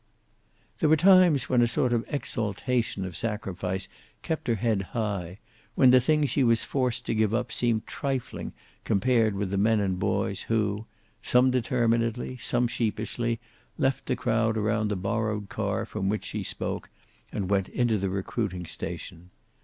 There were times when a sort of exaltation of sacrifice kept her head high, when the thing she was forced to give up seemed trifling compared with the men and boys who, some determinedly, some sheepishly, left the crowd around the borrowed car from which she spoke, and went into the recruiting station.